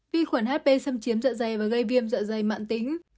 vi khuẩn hp xâm chiếm dạ dày và gây viêm dạ dày mạng tính